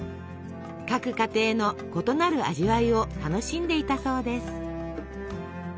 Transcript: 各家庭の異なる味わいを楽しんでいたそうです。